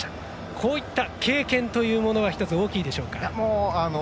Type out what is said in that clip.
こういった経験というものが１つ大きいでしょうか。